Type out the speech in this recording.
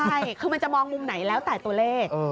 ใช่คือมันจะมองมุมไหนแล้วแต่ตัวเลข